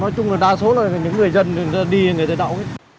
nói chung là đa số là những người dân đi người đại đạo